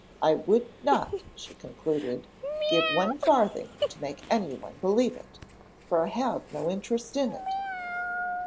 I would not," she concluded "give one farthing to make anyone believe it, for I have no interest in it."'